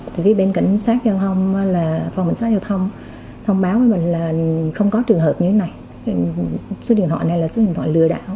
thì khi bên cảnh sát giao thông là phòng cảnh sát giao thông thông báo với mình là không có trường hợp như thế này số điện thoại này là số điện thoại lừa đảo